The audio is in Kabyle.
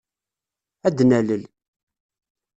Ad d-nalel.